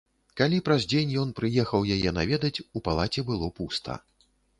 Калі праз дзень ён прыехаў яе наведаць, у палаце было пуста.